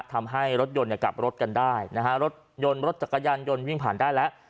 ทำให้รถยนต์เนี่ยกลับรถกันได้นะฮะรถยนต์รถจักรยานยนต์วิ่งผ่านได้แล้ว